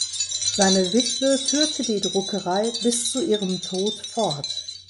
Seine Witwe führte die Druckerei bis zu ihrem Tod fort.